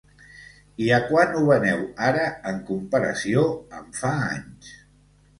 I a quant ho veneu ara, en comparació amb fa anys?